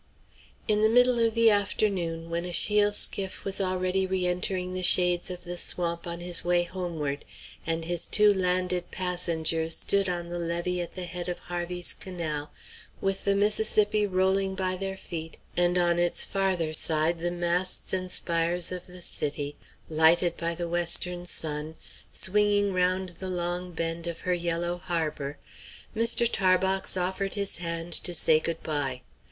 In the middle of the afternoon, when Achille's skiff was already re entering the shades of the swamp on his way homeward, and his two landed passengers stood on the levee at the head of Harvey's Canal with the Mississippi rolling by their feet and on its farther side the masts and spires of the city, lighted by the western sun, swinging round the long bend of her yellow harbor, Mr. Tarbox offered his hand to say good by.